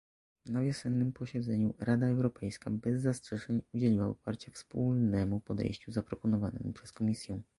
Na wiosennym posiedzeniu Rada Europejska bez zastrzeżeń udzieliła poparcia wspólnemu podejściu zaproponowanemu przez Komisję